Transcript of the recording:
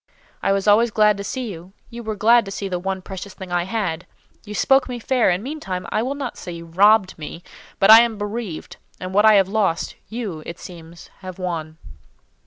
I was always glad to see you; you were glad to see the one precious thing I had. You spoke me fair; and, meantime, I will not say you robbed me, but I am bereaved, and what I have lost, you, it seems, have won."